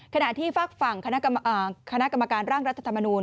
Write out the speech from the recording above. ขณะที่ฝากฝั่งคณะกรรมการร่างรัฐธรรมนูล